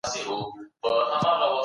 په زور ویده کېدل ممکن نه دي.